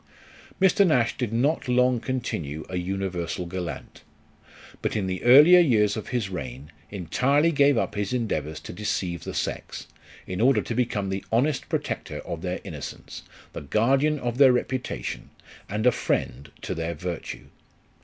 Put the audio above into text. Mr. Nash did not long continue a universal gallant; but in the earlier years of his reign, entirely gave up his endeavours to deceive the sex, in order to become the honest protector of their innocence, the guardian of their reputation, and a friend to their virtue.